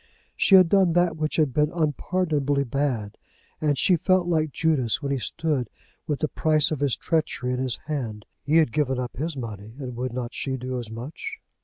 She had done that which had been unpardonably bad, and she felt like Judas when he stood with the price of his treachery in his hand. He had given up his money, and would not she do as much?